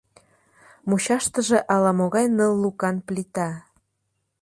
Мучаштыже ала-могай ныл лукан плита.